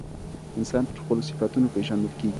انسان پر خپلو صفتونو پیژندل کیږي.